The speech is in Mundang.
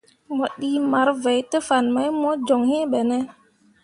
Mo ɗii marvǝǝ te fan mai mo joŋ iŋ ɓene ?